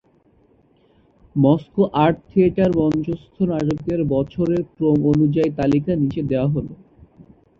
Moscow Art Theatre মঞ্চস্থ নাটকের বছরের ক্রম অনুযায়ী তালিকা নিচে দেওয়া হল।